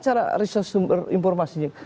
cara riset sumber informasinya